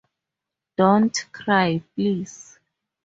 Don't cry, please!